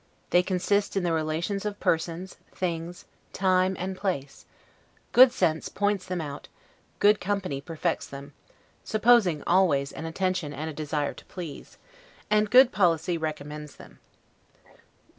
They consist in the relations of persons, things, time, and place; good sense points them out, good company perfects them ( supposing always an attention and a desire to please), and good policy recommends them.